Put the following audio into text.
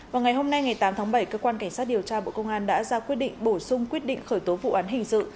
vào ngày hôm nay ngày tám tháng bảy cơ quan cảnh sát điều tra bộ công an đã ra quyết định bổ sung quyết định khởi tố vụ án hình sự